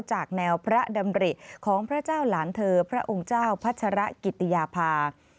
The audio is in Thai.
จากแนวพระดำริของพระเจ้าหลานเธอพระองค์เจ้าพัชรกิติยาภา